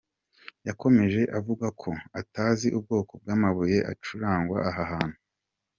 Yakomeje avuga ko atazi ubwoko bw’amabuye acukurwa aha hantu.